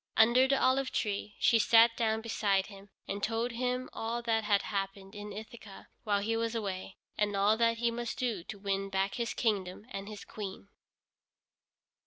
Under the olive tree she sat down beside him, and told him all that had happened in Ithaca while he was away, and all that he must do to win back his kingdom and his Queen.